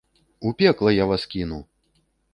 У пекла я вас кіну!